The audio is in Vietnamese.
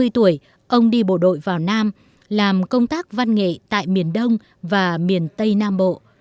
ba mươi tuổi ông đi bộ đội vào nam làm công tác văn nghệ tại miền đông và miền tây nam bộ